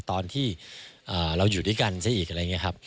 ตอนที่เราอยู่ด้วยกันซะอีกอะไรอย่างนี้ครับ